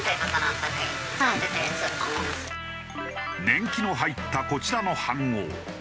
年季の入ったこちらの飯ごう。